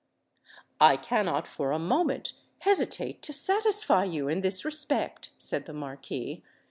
"I cannot for a moment, hesitate to satisfy you in this respect," said the Marquis.